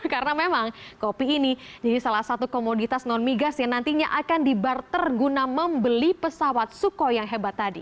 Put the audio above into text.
karena memang kopi ini jadi salah satu komoditas non migas yang nantinya akan dibarter guna membeli pesawat sukhoi yang hebat tadi